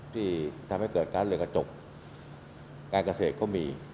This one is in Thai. ที่ทำให้เกิดการเรือกระจกการเกษตรก็มี